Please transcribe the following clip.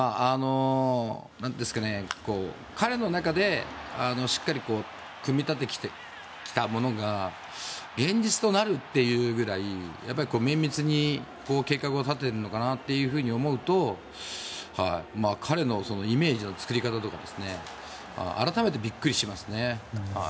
彼の中でしっかり組み立ててきたものが現実となるというぐらい綿密に計画を立ててるのかなと思うと彼のイメージの作り方とか改めてビックリしますね。